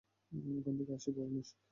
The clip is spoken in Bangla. ওখান থেকে আসি, পরে নিস?